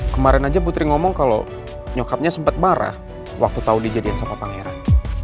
kemaren aja putri ngomong kalo nyokapnya sempet marah waktu tau dijadiin sama pangeran